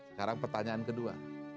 sekarang pertanyaan kedua